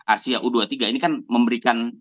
asia u dua puluh tiga ini kan memberikan